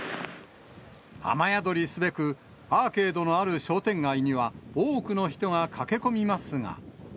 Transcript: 雨宿りすべく、アーケードのある商店街には、多くの人が駆け込みますが。